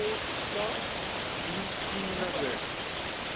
キンキンだぜ。